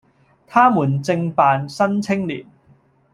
他們正辦《新青年》，